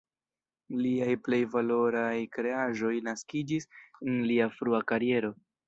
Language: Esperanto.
Liaj plej valoraj kreaĵoj naskiĝis en lia frua kariero.